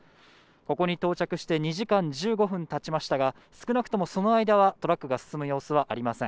ここに到着して２時間１５分経ちましたが、少なくとも、その間はトラックが進む様子はありません。